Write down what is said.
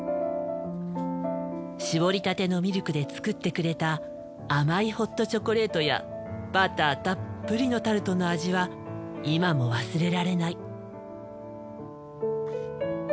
搾りたてのミルクで作ってくれた甘いホットチョコレートやバターたっぷりのタルトの味は今も忘れられない。